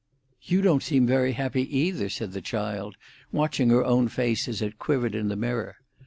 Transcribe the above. "You don't seem very happy either," said the child, watching her own face as it quivered in the mirror.